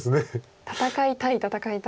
「戦いたい戦いたい」という。